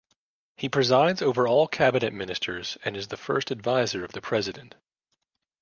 He presides over all cabinet ministers and is the first adviser of the President.